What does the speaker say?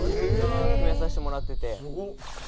決めさせてもらってて。